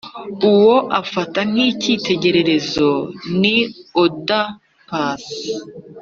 uwo afata nk’ikitegererezo, ni oda paccy,